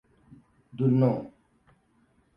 Dunno.